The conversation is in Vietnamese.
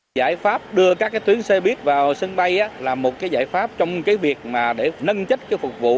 giải pháp đưa các tuyến xe buýt vào sân bay là một cái giải pháp trong việc để nâng chất phục vụ